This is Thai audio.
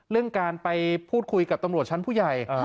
เรื่องการไปพูดคุยกับตำรวจชั้นผู้ใหญ่